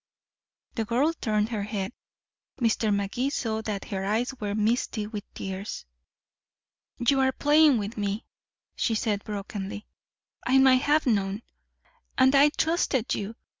The girl turned her head. Mr. Magee saw that her eyes were misty with tears. "You're playing with me," she said brokenly. "I might have known. And I trusted you.